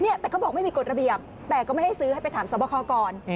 แต่เขาบอกไม่มีกฎระเบียบแต่ก็ไม่ให้ซื้อให้ไปถามสอบคอก่อน